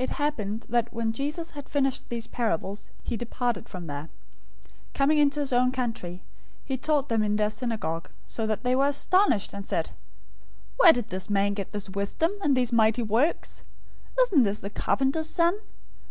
013:053 It happened that when Jesus had finished these parables, he departed from there. 013:054 Coming into his own country, he taught them in their synagogue, so that they were astonished, and said, "Where did this man get this wisdom, and these mighty works? 013:055 Isn't this the carpenter's son?